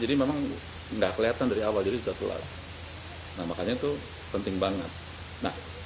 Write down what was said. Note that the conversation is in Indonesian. ini memang enggak kelihatan dari awal jadi setelah nah makanya tuh penting banget nah